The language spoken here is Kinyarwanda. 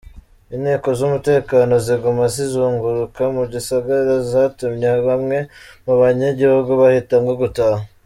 Inteko z'umutekano ziguma zizunguruka mu gisagara, zatumye bamwe mu banyagihugu bahitamwo gutaha.